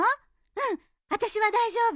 うん私は大丈夫。